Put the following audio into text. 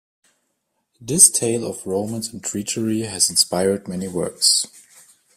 This tale of romance and treachery has inspired many works.